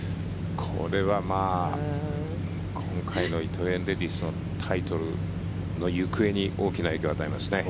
これは今回の伊藤園レディスのタイトルの行方に大きな影響を与えますね。